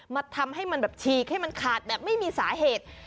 ทำให้มันแบบฉีกให้มันขาดแบบไม่มีสาเหตุ